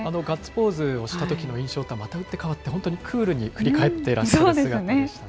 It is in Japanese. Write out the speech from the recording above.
ガッツポーズをしたときの印象とはまた打って変わって、クールに振り返ってらっしゃる姿でしたね。